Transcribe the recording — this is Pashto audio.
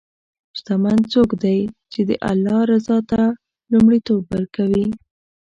شتمن څوک دی چې د الله رضا ته لومړیتوب ورکوي.